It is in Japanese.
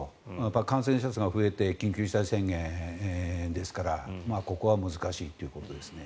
感染者数が増えて緊急事態宣言ですからここは難しいということですね。